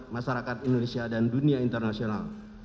masyarakat indonesia dan dunia internasional